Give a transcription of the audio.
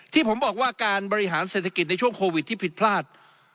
ที่ผมบอกว่าการบริหารเศรษฐกิจในช่วงโควิดที่ผิดพลาด